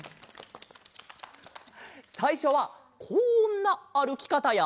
さいしょはこんなあるきかたや。